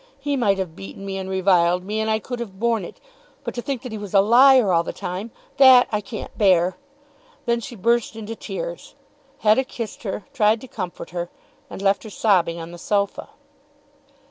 He might have beaten me and reviled me, and I could have borne it. But to think that he was a liar all the time; that I can't bear." Then she burst into tears. Hetta kissed her, tried to comfort her, and left her sobbing on the sofa.